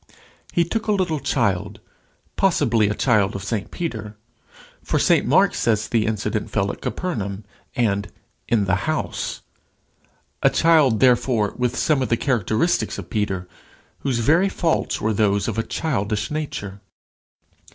He took a little child possibly a child of Peter; for St Mark says that the incident fell at Capernaum, and "in the house," a child therefore with some of the characteristics of Peter, whose very faults were those of a childish nature.